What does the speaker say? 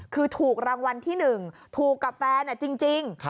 คือถูกรางวัลที่๑ถูกกับแฟนจริง